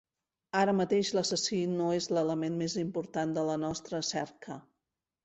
Ara mateix, l'assassí no és l'element més important de la nostra cerca.